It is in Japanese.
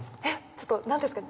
ちょっと何ですか？